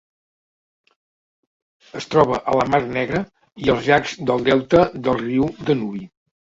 Es troba a la Mar Negra i als llacs del delta del riu Danubi.